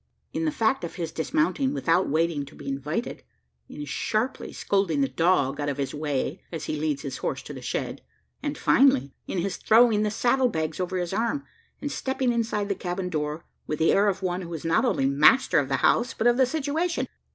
in the fact of his dismounting without waiting to be invited in sharply scolding the dog out of his way as he leads his horse to the shed; and, finally, in his throwing the saddle bags over his arm, and stepping inside the cabin door, with the air of one who is not only master of the house, but of the "situation."